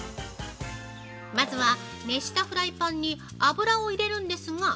まずは熱したフライパンに油を入れるんですが。